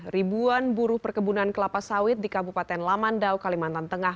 ribuan buruh perkebunan kelapa sawit di kabupaten lamandau kalimantan tengah